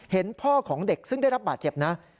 พ่อของเด็กซึ่งได้รับบาดเจ็บนะ